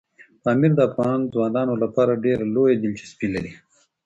پامیر د افغان ځوانانو لپاره ډېره لویه دلچسپي لري.